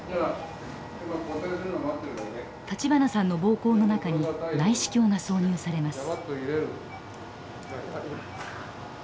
立花さんの膀胱の中に内視鏡が挿入されます。